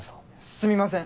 すみません。